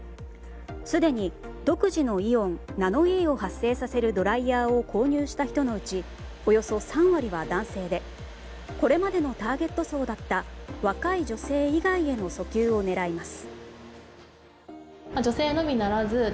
すでに独自のイオンナノイーを発生させるドライヤーを購入した人のうちおよそ３割は男性でこれまでのターゲット層だった若い女性以外への訴求を狙います。